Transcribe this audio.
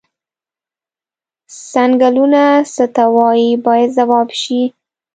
څنګلونه څه ته وایي باید ځواب شي.